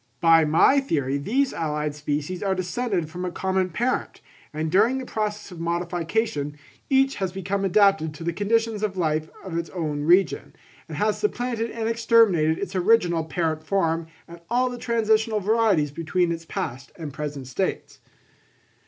By my theory these allied species are descended from a common parent; and during the process of modification, each has become adapted to the conditions of life of its own region, and has supplanted and exterminated its original parent form and all the transitional varieties between its past and present states.